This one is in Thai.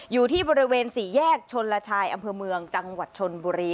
อยู่ที่บริเวณสี่แยกชนละชายอำเภอเมืองจังหวัดชนบุรี